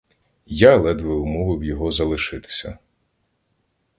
Я ледве умовив його залишитися.